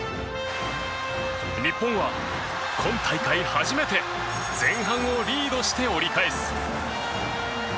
日本は、今大会初めて前半をリードして折り返す。